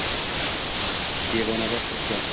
Devonavor turibdi.